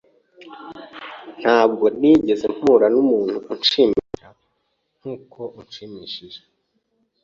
Ntabwo nigeze mpura numuntu unshimisha nkuko unshimishije.